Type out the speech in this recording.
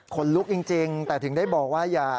คนลุกจริงแต่ถึงได้บอกว่าอย่า